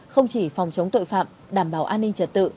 không chỉ phòng chống tội phạm đảm bảo an ninh trật tự